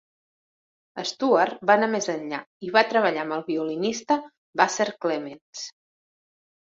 Stuart va anar més enllà i va treballar amb el violinista Vassar Clements.